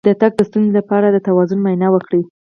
د تګ د ستونزې لپاره د توازن معاینه وکړئ